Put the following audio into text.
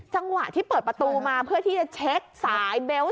จังหวะที่เปิดประตูมาเพื่อที่จะเช็คสายเบลต์